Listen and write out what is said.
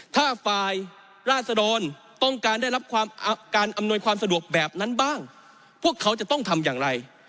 ถ้าฝ่ายราศดรต้องการได้รับการอำนวยความสะดวกแบบนั้นบ้างพวกเขาจะต้องทำอย่างไร